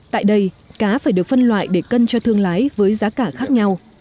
tại đây cá phải được phân loại để cân cho thương lái với giá cả khác nhau